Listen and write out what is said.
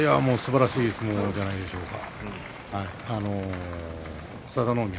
すばらしい相撲じゃないでしょうか。